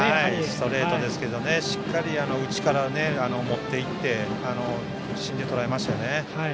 ストレートですけどしっかり内から持っていって芯でとらえましたよね。